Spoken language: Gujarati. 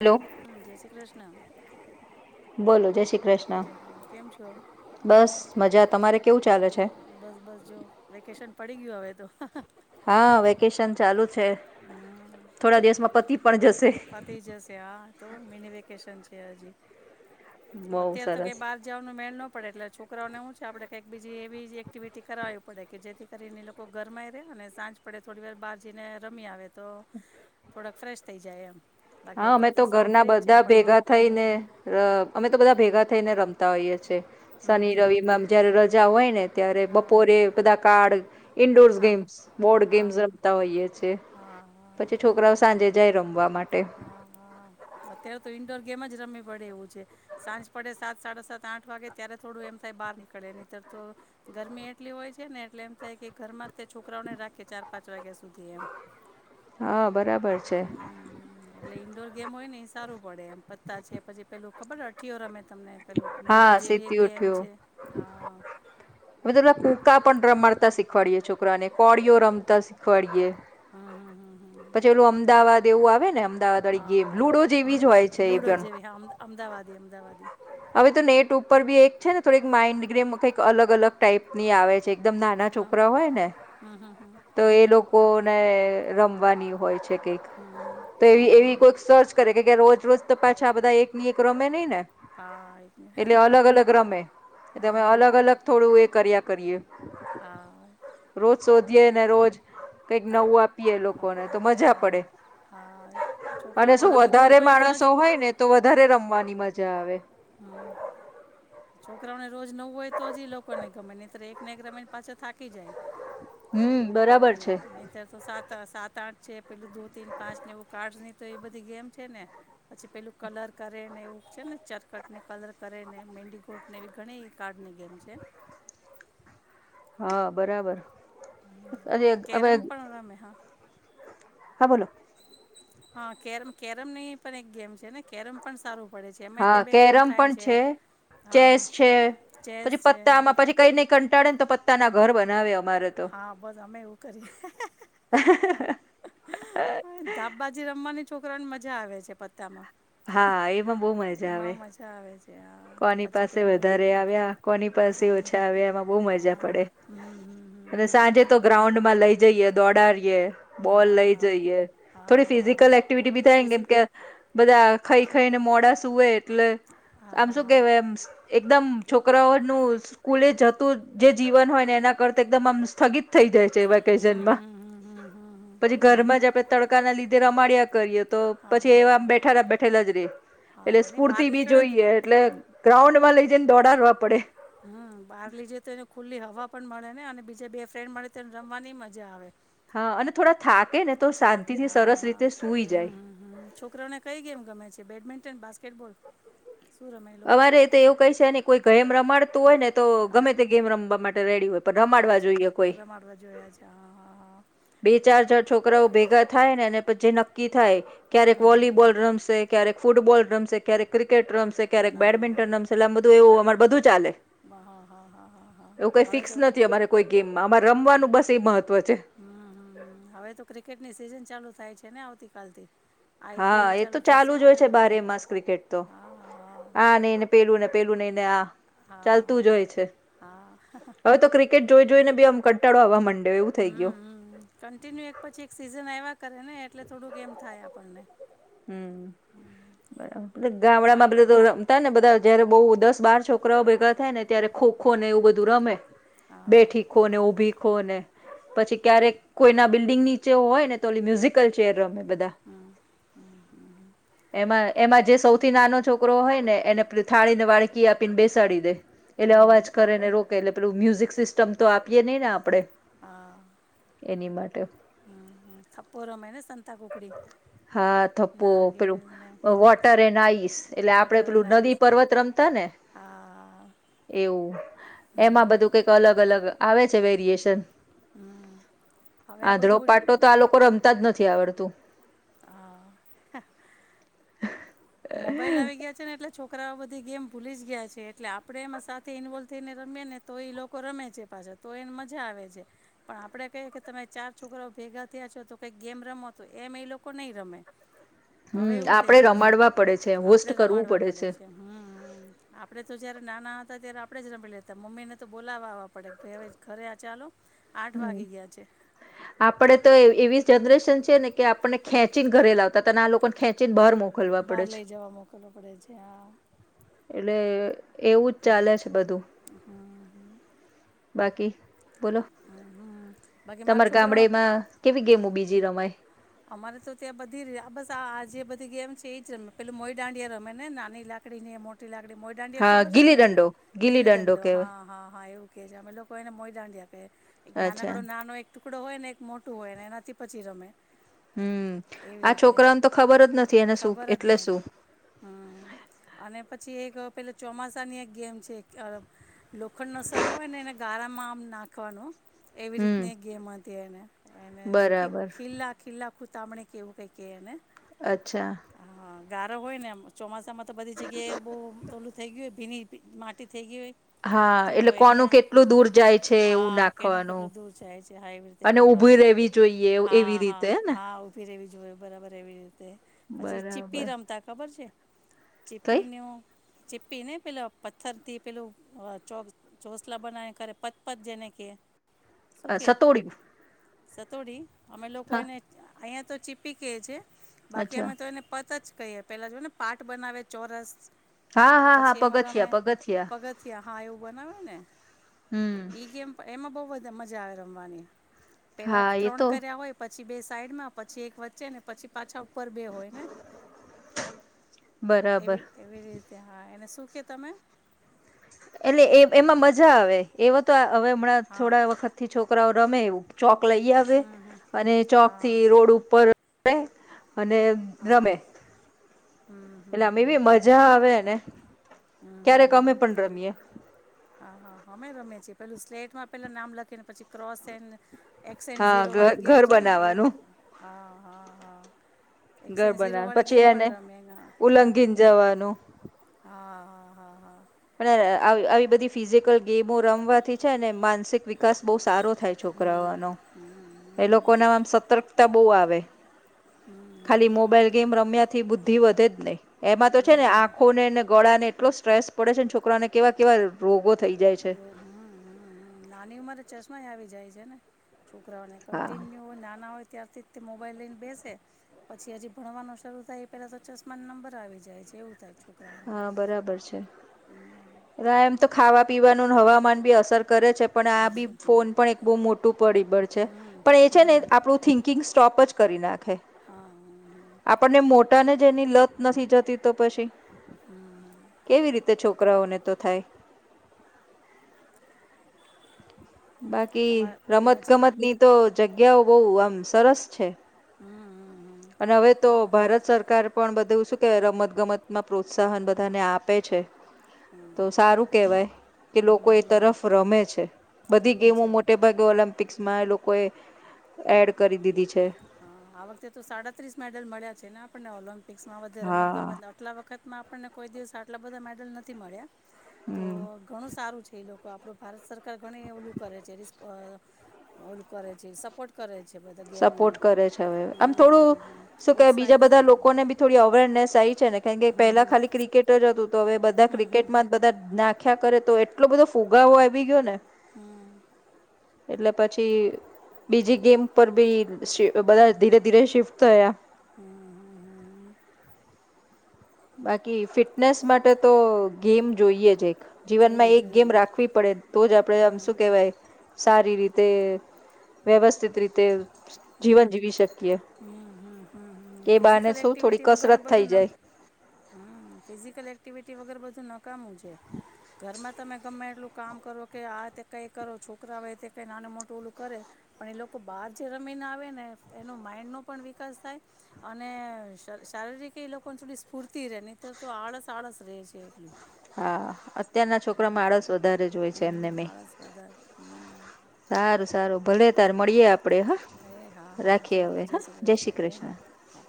હલો. હમ જય શ્રી કૃષ્ણ. બોલો. શ્રી કૃષ્ણ કેમ છો? બસ મજા તમારે કેવું ચાલે છે બસ બસ જો વેકેશન પડી ગયું હવે તો. [unintelligible] હા વેકેશન ચાલુ છે. છે, થોડા દિવસ માં પતિ પણ જશે પતી જશે હા તો મિની વેકેશન છે. છે, હજી. બહુ અત્યારે તો સરસ કઈ બાર જવાનું મેળ નો પડે એટલે છોકરાઓને હું આપણે કંઈક બીજી એવી એક્ટિવિટી કરાવવી પડે કે જેથી કરીને લોકો ઘરમાંય રહેે અને સાંજ પડે થોડીવાર બહાર જઈને રમી આવે. તો, થોડાક ફ્રેશ થઈ જાય એમ. બાકી હા અમે અત્યારે તો સાવ ઘરના ફ્રી જ છે બધા ભેગા ભણવાનું કાંઈ થઈને, નથી અમે તો બધા ભેગા થઈને રમતા હોઈએ છીએ. હમ શનિ, હમ રવિ હમ માં જયારે ર જાવાયને. ત્યારે હા બપોરે કદાક કાર્ડ. ઇન્ડોર હા ગેમ્સ, બોર્ડ હા ગેમ્સ હા રમતા હોઈએ છે હા હા પછી છોકરાઓ સાંજે જય રમવા માટે. હા હા અત્યારે તો ઇન્ડોર ગેમ જ. રમી પડે એવું છે સાંજ પડે સાત સાડા સાત આઠ વાગે ત્યારે થોડું એમ થાય બહાર નીકળે નીતર તો ગરમી એટલી હોય છે ને એટલે એમ થાય કે ઘરમાં તે છોકરાઓને રાખે ચાર પાંચ વાગ્યા સુધી એમ. હા બરાબર. છે એટલે ઈન્ડોર ગેમ હોય ને એ સારું પડે એમ પત્તા છે પછી પેલું ખબર અઠિયો રમે તમને પેલું લુડો હા જેવી એક સીતી ગેમ ઉઠ્યું છે હ. કકા પણ રમાડતા શીખવાડીએ છોકરાને કોળીઓ રમતા શીખવાડીએ. હમ હમ હમ હમ હમ. પછી એલું અમદાવાદ. તેવું આવે ને અમદાવાદ વાળી ગેમ લુડો હા જેવી જ હોય છે એ લુડો પણ જેવી હ અમદાવાદ અમદાવાદ હવે તો નેટ ઉપર બી એક છે ને થોડીક માઇન્ડ ગ્રેમ કઈક અલગ અલગ ટાઈપ ની આવે છે. એકદમ નાના હા છોકરા હોય ને હમ હમ હમ તો એ લોકો. કોને રમવાની હોય એવી હમ હમ તો હમ આવી કોઈ સર્ચ કરે. કે રોજ રોજ તો પાછા આ બધા એક ની એક રમે નય ને. એટલે અલગ અલગ રમે તમે હા અલગ અલગ થોડું એક. કર્યા કરીએ. હા રોજ સો. જે ઈ ને રોજ કંઈક નવું આપ એ લોકોને તો હા મજા હા પડે હા અને છોકરાઓને શું નવી ગેમ વધારે હોય તો જ માણસો હોય ને તો વધારે રમવાની મજા આવે હમ્મ છોકરાઓને રોજ નવું હોય તો જ ઈ લોકોને ગમે નહીતો એક ને એક રમે ને પાછો થાકી ખી જાય. હમ બરાબર ન છે નહીતર તો સાત સાત આઠ છે. પેલું દો તીન પાંચને એવું કાર્ડની તો એ બધી ગેમ છે ને પછી પેલું કલર કરે ને એવું છે ને ચરકટની કલર કરે ને મેન્ડીગોટ ને એવી ઘણી કાર્ડની ગેમ છે. હા બરાબર. અરે અવે. કેરમ પણ રમે હા હા બોલો. હા, કેરમ કેરમ ની પણ એક ગેમ છે ને. કેરમ પણ સારું પડે છે એમાંય તે હા, બે ત્રણ કેરમ થાય પણ છે. ચેસ હા છે. ચેસ પછી છે હા પત્તામાં, પછી કઈ નઈ ક પાડે તો પત્તાના ઘર બનાવ્યા હા, બસ અમે એવું કરીએ. હા ધા બાજી રમવા ની છોકરા ની મજા આવે છે પત્તા માં. હા એ માં બહુ મજા આવે. આવે છે હા કોની પછી પાસે પેલું વધારે આવ્યા કોની પાસે હમ ઓછા આવ્યા એમાં બહુ મજા હા પડે. હમ હમ અને હમ સાંજે એક તો ગ્રાઉન્ડમાં લઈ જઈએ દોડારી યે બોલ હા લઈ હા જઈએ. હા થોડી હા ફિઝિકલ હા એક્ટિવિટી બી થાય ને ફિઝિક કેમ કે, બધા ખાઈ ખાઈને મોડા સૂએ એટલે સા આમ હા શું હા કેવ એમસ એકદમ છોકરાઓનું સ્કૂલે જતું જે જીવન હોય ને એના કરતા એકદમ આમ સ્થગિત થઈ જાય છે હમ વેકેઝનમાં. હમ હમ હમ હમ હમ પછી ઘરમાં જ આપે તડકા ના લી દે રમાડયા કરીએ. તો હા પછી હા એવામ હા બેઠેલા બેઠેલા જ રે, એટલે હા નહીં બહાર સ્ફૂર્તિ બી નીકળે જોઈએ. ગ્રાઉન્ડ માં લઈ જઈને દોરાડવા પડે. હમ્મ બહાર લઈ જઈએ તો એને ખુલ્લી હવા પણ મળે ને આને બીજા બે ફ્રેન્ડ મળેને રમવાની મજા આવે. હા અને થોડા થાકે ને તો થાક કે શાંતિથી હા સરસ હા રીતે સૂઈ હમ્મ, જાય હમ્મ, હમ્મ. છોકરોને કઈ ગેમ ગમે છે બેડમેં તેન બાસ્કેટબોલ? શું રમે એ લોકો અમારે તો એવું કઈ છે ને કોઈ ગેમ રમાડ તો હો ને તો હા ગમે તે ગેમ રમવા માટ રેડી હો અચ્છા, અરેમાડવા જોયા છે. હા, હા, હા. કરાઓ ભેગા થાય ને એને પછી નક્કી થાય. ક્યારેક હમ હમ વોલીબોલ રમશે ક્યારેક ફૂટબોલ રમશે, ક્યારેક ક્રિકેટ રમશે. ક્યારેક હા બેડમિન્ટન રમશે એટલે આમ એવ બધું અમાર બધું ચાલ હ, હા, હા, હા, હા, હા. હવે ફિક્સ તો, નથી અમારે કોઈ ગેમમાં અમારે હ, હમ્મ, રમવાનું બસ એ મહત્વ છે હમ્મ, હમ્મ હવે તો ક્રિકેટની સિઝન ચાલુ થાય છ હે ને આવતી કાલથી? હા એ તો ચાલુ જ હોય છે બારે માસ ક્રિકેટ તો, હા હા આને એને પેલું ને પેલું ની ને આ. હા ચાલતું જ હોય છે. હા હા હવે તો ક્રિકેટ જો જોઈને આમ કટાડો આવવા માંડે હમ કન્ટિન્યુ એક પછી એક સીઝન આવ્યા કરે ને એટલે થોડુંક એમ થાય આપણને. હમ, બરાબર ગામડા મા માં બધ તો રમતા ને બધા જયારે બહુ દસ બાર છોકરાઓ ભેગા થાય ને ત્યારે ખોખો ને એવું બધું રમે. હા બેઠીકો ને ઉભી ખોને. પછી ક્યારેક કોઈ ના બિલ નીચે હોયનેલી મ્યુઝિકલ ચેર રમે. બધા. હમ્મ એમાં એમાં જે સૌથી નાનો છોકરો હોય ને એને થાળી ને વાળકી આપીને બેસાડી દે. એટલે હમ્મ અવાજ હમ્મ કરેને રોકે એટલે પેલું મ્યુઝિક સિસ્ટમ તો આપીએ નહીં ને આપણે. હા. એની માટે. હમ્મ હમ્મ થપ્પો રમે ને સંતા કુકડી હા થપ્પો પેલું, નારગેલ ને વોટર એન્ડ આઈસ એટલે આપડે વોટર પેલું એન્ડ આઈસ નદી પર્વત રમતા ને, હા એવું, હમ્મ એમાં બધું કઈક અલગ અલગ આવે છે વેરિએશન. હમ્મ હવે આ આંધરો બધું પાટો તો આ લોકો રમતા જ નથી આવડતું. હા મોબાઈલ આવી ગયા છે ને એટલે લે છોકરાઓ બધી ગેમ ભૂલી જ ગયા છે એટલે આપણે એમાં સાથે ઇન્વોલ્વ થઈને રમીએ ને તો એ લોકો રમે છે પાછા તો એને મજા આવે છે, પણ આપડે કહી કે તમે ચાર છોકરાઓ ભેગા થયા છો તો કઈક ગેમ રમો તો એમ એ લોકો નહી રમે. હવે હમ એવું થઈ આપડે ગયું છે રમાડ પડે છે હોસ્ટ કરવું પડે છે. આપડે તો જયારે નાના હતા ત્યારે આપડે જ રમી લેતા મમ્મીને તો બોલાવાવા પડે કે હવે ઘરે ચાલો. આઠ હમ, વાગી ગયા છે આપડે તો એવી જનરેશન છે ને કે આપણને ખેંચીને ઘરે લાવતા. ત તને આ લોકોને ખેંચીને બહાર મોકલવા પડે બહાર છે. લઈ જવા મોકલવો પડે છે હા એટલે એવું જ ચાલે છે બધું. હમ બાકી. બોલો હમ બાકી મારા તમારે છોકરાઓને ગામડેમાં કેવી ગેમો બીજી રમાય? મારે તો ત્યાં બધી જ બસ આ આ જે બધી ગેમ છે એ જ રમે પેલ મોઈ દાંડિયા રમે ને નાની લાકડી ને મોટી લાક. મોદાંડિયા હા ખબર છે ગીલી તમને દંડો ગીલી દંડો, કેવાય હા હા હા એવું કે છે અમે લોકો એને મોયદાંડિયા એક અચ્છા નાનાકડો નાનો એક. ટુકડો હોય ને એક મોટું હોય ને એનાથી પછી રમે. હમ્મ એવી આ રીતે છોકરાને તો ખબર જ નથી એને શું ખબર જ એટલે શું. નથી હમ અને પછી એક પેલો ચોમાસાની એક ગેમ છે ખ લોખંડન સરી હોય ને એને ગાળામાં આમ નાખવાનું હ. એવી હમ રીતની ગેમ. તે્ય અને. એને સુખી બરાબર કિલ્લા. લખું તામણે કેવું કઈ કે ને. અચ્છા. ગારો હોય ને ચોમાસામાં. તો બધી જગ્યાએ બહુ ઓલું થઈ ગયુંને. ભીની માટી. થઈ ગઈ હોય હા તો એટલે એ કોનું ત્યાં કેટલું દૂર જાય છે એવું હા કેનું નાખવાનું કેટલું દૂર જાય છે હા એવી રીતે અને ઉઊભી કરવાનું રહેવી જોઈએ હા એવી હા રીતે. હેને હા ઉભી રેવી જોઈએ બરાબર એવી રીતે, પછી ચીપ્પી બરાબર રમતા ખબર છે? કઈ ચીપીનું ચીપી ને પેલા પથ્થર થી પેલુ ચોસ ચોસલા બનાવી પતપત જેને કે. અ સતોડી. સતોડી. અમે લોકો એને. અહિયાં તો ચીપી કેયે છે. બાકી અચ્છા અમે તો એને પત જ કહીએ પેલા જો ને પાટ બનાવે ચોરસ. હા હા હા પછી એમા રમે પગથિયા પગથિયા પગથયા હા એવું બનાવે ને હમ ઈ ગેમ એમાં બહ એ મજા આવે રમવાની. પેલા હા એ ત્રણ તો કર્યા હોય પછ ચી બેસ સાઈડ માં પછી એક વચ્ચે ને પછી પાછા ઉપર બે હોય ને. બરાબર એવી એવી રીતે હા એને શું કે તમે એટલે એ એમાં મજા આવે એવાત આ હવે હમણાં હા થોડા વખતથી છો ર રમે ચોક લઈ આવે હમ હમ અને ચોક હા થી રોડ ઉપર [unintelligible] અને હા રમે. હમ હમ એટલે અમે હમ એવી હમ મજા હમ આવે એને, હમ ક્યારેક અમે પણ રમીએે. હ હા હમે રમે છીએ પેલું સ્લેટમાં પેલા નામ લખીને પછી ક્રોસ એક્સ એન્ડ હા ઝીરો ઘર વાળી ગેમ ઘર છે ને એ બનાવાનું પણ. હા હા હા. એક્સ ઘર એન્ડ બનાવા ઝીરોવાળી પછી ગેમ એને પણ રમે હા હા ઉલંગીન જવાનું. હા હા હા હા. અને આવ આવી બધી ફિઝિકલ ગેમો રમવાથી છે ને માનસિક વિકાસ બહુ સારો થાય હમ છોકરાઓનો. હમ એ હમ લોકો નહીં ના આમ સતક તબો આવે. ખાલી મોબાઈલ ગેમ રમ્યા થી બુદ્ધિ વધે જ નહી. એમાં તો છે ને નહીં આંખો નેને ગળા ને એટલો સ્ટ્રેસ પડે છે ને છોકરાને કેવા કેવા રોગો થઈ જાય છે હમ્મ હમ્મ હમ્મ હમ્મ નાની ઉંમરે ચશ્મા ય આવી જાય છે ને. છોકરાઓને હા કન્ટિન્યુ નાના હોય ત્યારથી જ તે મોબાઈલ લઈને બેસે. પછી હજી ભણવાનું શરૂ થાય એ પહેલા તો ચશ્મા નંબર આવી જાય છે એવું થાય. છોકરાઓને હા બરાબર છે. એમ તો ખાવા પીવાનું હવામાન બી અસર કરે છે પણ આ બી અરજી હમ ફોન પણ એક બહ મોટું પરિબળ છે. હમ પણ એ છે ને હમ આપણું થિંકિંગસ સ્ટોપ જ કરી નાખ. હા હમ હમ. આપણને મોટ ટા ને જેની લત નથી જતી તો પછી કેવી રીતે છોક છોકરાઓને તો થાય. બાકી રમત તમારા નજીકમાં ગમત ની તો જગ્ હેવ બહુ આમ સરસ છે. હમ હમ હમ અને હવે તો હા, ભારત સરકાર પણ બધું શું કે રમત ગમત માં પ્રોત્સાહન બધાને આપે છે. હમ તો હમ સારું કેવાય કે લોકો એ હમ હમ. તરફ રમે છે. બધી રમે ગેમો છે રમ મોટે ભાગે ઓલિમ્પિક એમાં એ લોકોએ, એડ કરી દીધી છે. હા, આ વખતે તો સાડાત્રીસ મેડલ મળ્યા છે ને આપણને ઓલમ્પ પિક્સમમાં રમત ગમત હા. ના આટલા વખતમાં આપણને કોઈ દિવસ આટલા બધા મેડલ નથી મળ્યા. તો હમ ઘણું સારું છે. તે એ લોકો આપણું ભારત સરકાર ઘણી ઓલું કરે છે રિષપ અહ ઓલું કરે છે, સપોર્ટ કરે છે બધા ગેમને. સપોર્ટ કરે છે આમ હમ થોડું હમ હમ શું કે બીજા ઉત્સાહિત બધા કરે લોકોને બી થોડી અવેરનેસ આઈ છે ને કે હમ પહેલા હમ ખાલી ક્રિકેટર અજ તો હવે બધા હમ હમ હમ ક્રિકેટમાં જ બધા ના ખ્યા કરે તો એટલો બધો ફુગાવો આવી ગયો ને હમ્મ. એટલે પછી બીજી ગેમ ઉપર બી સે બધા ધીરે ધીરે શિફ્ટ થયા. હમ્મ, હમ્મ, હમ્મ, હમ્મ. બાકી ફિટનેસ માટે તો ગેમ જોઈએ જે જોઈએ જીવનમાં એક જોઈએ ગેમ રાખવી પડે તો જ આપડે આમ હમ શું કેહેવાય સારી રીતે વ્યવસ્થિત રીતે. જીવન જીવી શકીએ. હમ હમ હમ હમ એ બાને ફિઝિકલ શું થોડી કસરત થઈ જાય. હમ્મ ફિઝિકલ એકટિવિટી વગર બધું ન કામું છે. ઘરમાં તમે ગમે એટલું કામ કરો કે આ તે કઈ કરો છોકરાઓ એ તે નાનું મોટું ઓલું કરે પણ એ લોકો બહાર જે રમ મી ને આવે ને એનો માઈન્ડ નો પણ વિકાસ થાય અને શ-શારીરિક એ લોકો થોડી સ્ફૂર્તિ રહે નીતર તો આળસ આળસ રે છે એકલું. હા, અત્યારના છોકરા માં આળસ વધારે જોય છે એમને હમ મેં. આળસ વધારે હમ સારું, સારું. ભલે તારે મળીએ આપ પડે હ એ હા હા રાખીએ ચાલો હવે હ જય શ્રી એ કૃષ્ણ. હા હા